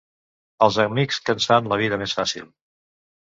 Els amics que ens fan la vida més fàcil.